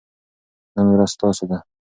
نن ورځ ستاسو ده.